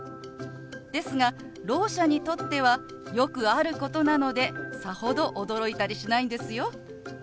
ですがろう者にとってはよくあることなのでさほど驚いたりしないんですよ。